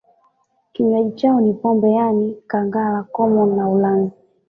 Kinywaji chao ni pombe yaani kangala komoni na ulanzi